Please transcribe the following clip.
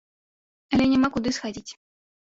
Але няма куды схадзіць.